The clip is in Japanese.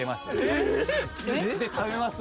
えっ？で食べます